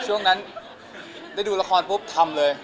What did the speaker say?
ช่วงนั้นได้ดูละครปุ๊บทำเลย